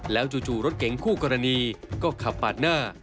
จู่รถเก๋งคู่กรณีก็ขับปาดหน้า